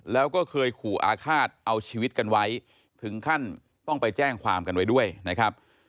แล้วก็เคยขู่อาฆาตเอาชีวิตกันไว้ถึงขั้นต้องไปแจ้งความกันไว้ด้วยนะครับ